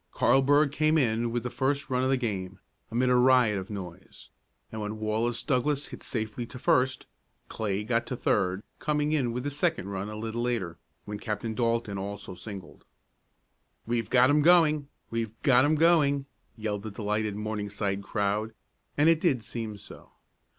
Carlburg came in with the first run of the game, amid a riot of noise, and when Wallace Douglass hit safely to first, Clay got to third, coming in with the second run a little later, when Captain Dalton also singled. "We've got 'em going! We've got 'em going!" yelled the delighted Morningside crowd, and it did seem so.